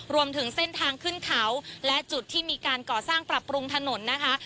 รวมถึงเส้นทางขึ้นเขาและจุดที่มีการก่อสร้างปรับปรุงถนนนะคะ